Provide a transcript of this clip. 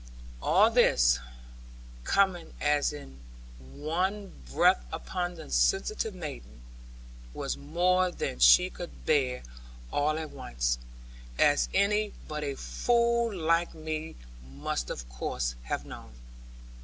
All this, coming as in one breath upon the sensitive maiden, was more than she could bear all at once; as any but a fool like me must of course have known.